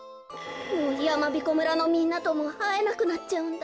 もうやまびこ村のみんなともあえなくなっちゃうんだ。